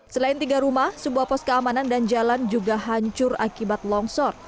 selain tiga rumah sebuah pos keamanan dan jalan juga hancur akibat longsor